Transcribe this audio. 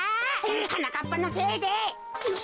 はなかっぱのせいで。